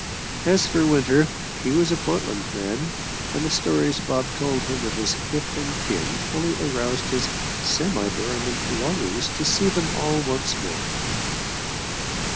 As for Winter, he was a Portland man, and the stories Bob told him of his kith and kin fully aroused his semi dormant longings to see them all once more.